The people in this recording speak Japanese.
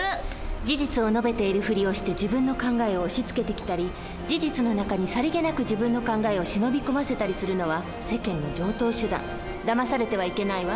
事実を述べているふりをして自分の考えを押しつけてきたり事実の中にさりげなく自分の考えを忍び込ませたりするのは世間の常とう手段。だまされてはいけないわ。